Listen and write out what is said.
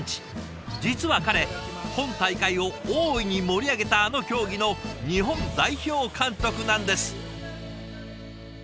実は彼今大会を大いに盛り上げたあの競技の日本代表監督なんです。